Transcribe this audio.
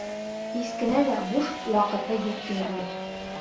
Һис кенә лә буш ваҡыты юҡ тиерлек.